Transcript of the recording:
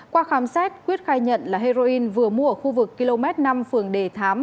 qua khám xét quyết khai nhận là heroin vừa mua ở khu vực km năm phường đề thám